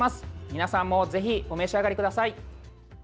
皆さんもぜひお召し上がりください。